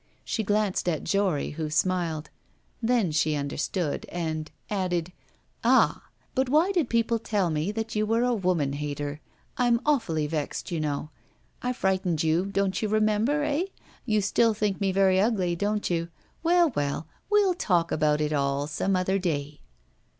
She glanced at Jory, who smiled; then she understood, and added: 'Ah! But why did people tell me that you were a woman hater? I'm awfully vexed, you know. I frightened you, don't you remember, eh? You still think me very ugly, don't you? Well, well, we'll talk about it all some other day.